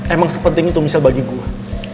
emang sepenting itu michelle bagi gua